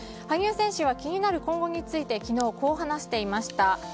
羽生選手は気になる今後について昨日、こう話していました。